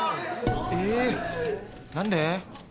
えっ何で？